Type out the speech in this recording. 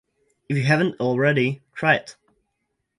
If you haven't already, try it